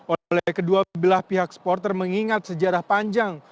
oleh kedua belah pihak supporter mengingat sejarah panjang